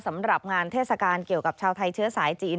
สำหรับงานเทศกาลเกี่ยวกับชาวไทยเชื้อสายจีน